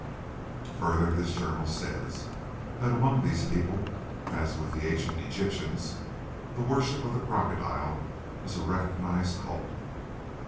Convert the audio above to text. Further, this journal says that among these people (as with the ancient Egyptians), the worship of the crocodile is a recognised cult.